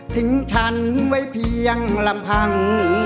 ฉันไว้เพียงลำพัง